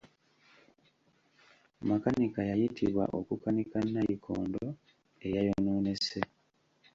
Makanika yayitibwa okukanika nnayikondo eyayonoonese.